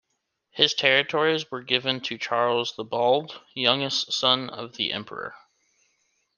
His territories were given to Charles the Bald, youngest son of the Emperor.